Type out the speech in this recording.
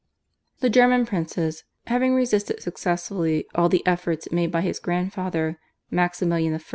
The German princes, having resisted successfully all the efforts made by his grandfather, Maximilian I.